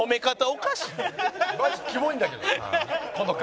マジキモいんだけどこの回。